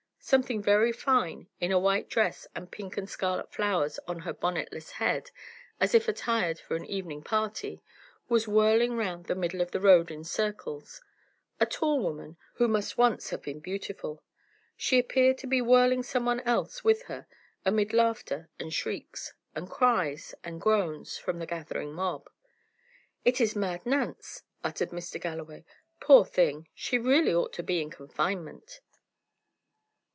Something very fine, in a white dress, and pink and scarlet flowers on her bonnetless head, as if attired for an evening party, was whirling round the middle of the road in circles: a tall woman, who must once have been beautiful. She appeared to be whirling someone else with her, amid laughter and shrieks, and cries and groans, from the gathering mob. "It is Mad Nance!" uttered Mr. Galloway. "Poor thing! she really ought to be in confinement."